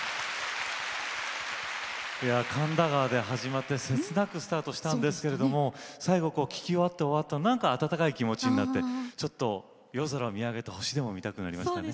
「神田川」で始まって切なくスタートしたんですけれど最後、聴きおわったあと温かい気持ちになってちょっと、夜空を見上げて星でも見たくなりましたね。